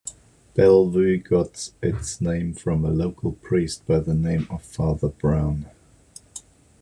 Bellevue got its name from a local priest by the name of Father Browne.